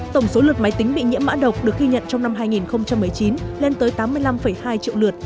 tổng số lượt máy tính bị nhiễm mã độc được ghi nhận trong năm hai nghìn một mươi chín lên tới tám mươi năm hai triệu lượt